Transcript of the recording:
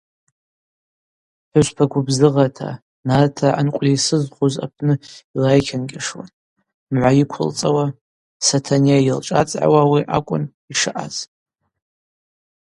Дпхӏвыспа гвыбзыгъата, нартыргӏа анкъвльайсызхуз апны йлайкьангьашуан, мгӏва йыквылцӏауа, Сатанейа йылшӏацӏгӏауа аун акӏвын йшаъаз.